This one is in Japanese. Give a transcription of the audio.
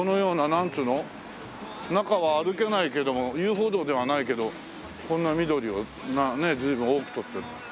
中は歩けないけども遊歩道ではないけどこんな緑を随分多く取ってる。